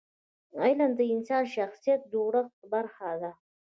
علم د انسان د شخصیت د جوړښت برخه ده.